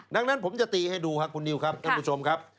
ดังนั้นผมจะตีให้ดูครับคุณนิวครับท่านผู้ชมครับ